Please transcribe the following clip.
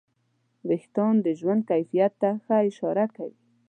وېښتيان د ژوند کیفیت ته اشاره کوي.